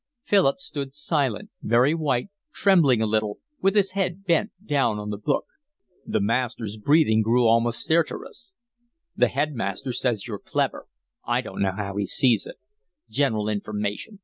Philip stood silent, very white, trembling a little, with his head bent down on the book. The master's breathing grew almost stertorous. "The headmaster says you're clever. I don't know how he sees it. General information."